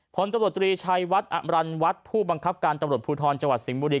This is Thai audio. ผลตำรวจตรีชัยวัดอำรันวัฒน์ผู้บังคับการตำรวจภูทรจังหวัดสิงห์บุรี